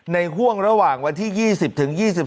ห่วงระหว่างวันที่๒๐ถึง๒๔